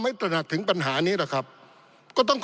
ปี๑เกณฑ์ทหารแสน๒